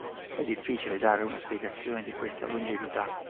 È difficile dare una spiegazione di questa longevità.